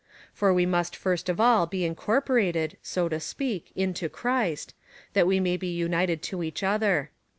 For we must first of all be incorporated (so to speak) into Christ, that we may be united to each other.